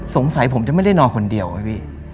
สงสัยผมจะไม่ได้นอนคนเดียวไงพี่